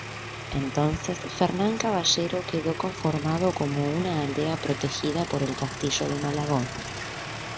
Entonces Fernán Caballero quedó conformado como una aldea protegida por el Castillo de Malagón.